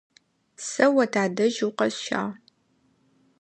Сэ о тадэжь укъэсщагъ.